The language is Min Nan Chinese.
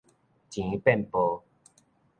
錢變薄